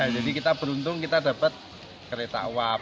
jadi kita beruntung kita dapat kereta uap